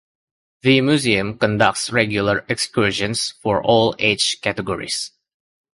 The museum conducts regular excursions for all age categories.